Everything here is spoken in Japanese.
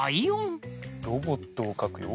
ロボットをかくよ。